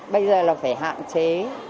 bây giờ là phải hạn chế